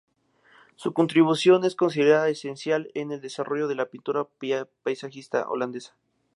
Su contribución se considera esencial en el desarrollo de la pintura paisajista holandesa.